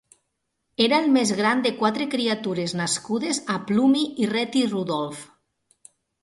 Era el més gran de quatre criatures nascudes a Plumie i Rethie Rudolph.